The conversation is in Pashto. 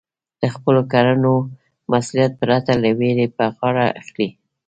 د خپلو کړنو مسؤلیت پرته له وېرې په غاړه اخلئ.